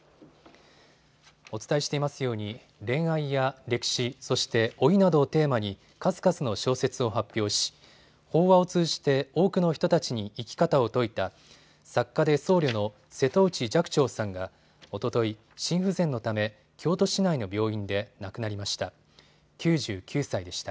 お伝えしていますように恋愛や歴史、そして老いなどをテーマに数々の小説を発表し法話を通じて多くの人たちに生き方を説いた作家で僧侶の瀬戸内寂聴さんがおととい、心不全のため京都市内の病院で亡くなりました。